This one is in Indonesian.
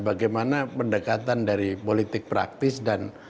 bagaimana pendekatan dari politik praktis dan